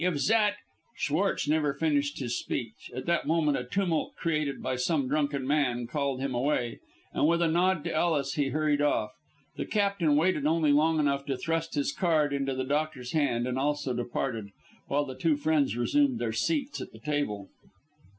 If zat " Schwartz never finished his speech. At that moment a tumult, created by some drunken man, called him away, and with a nod to Ellis he hurried off. The Captain waited only long enough to thrust his card into the doctor's hand, and also departed, while the two friends resumed their seats at the table.